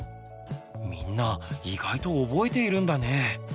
みんな意外と覚えているんだね。